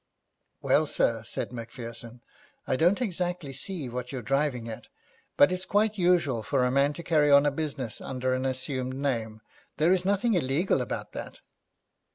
'Well, sir,' said Macpherson, 'I don't exactly see what you're driving at, but it's quite usual for a man to carry on a business under an assumed name. There is nothing illegal about that.'